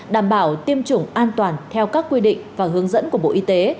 đảm bảo tiêm chủng an toàn theo các quy định và hướng dẫn của bộ y tế